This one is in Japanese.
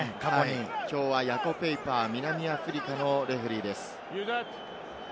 きょうはヤコ・ペイパー、南アフリカのレフェリーです。